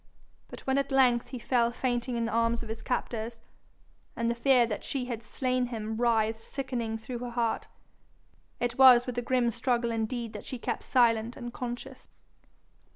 But when at length he fell fainting in the arms of his captors, and the fear that she had slain him writhed sickening through her heart, it was with a grim struggle indeed that she kept silent and conscious.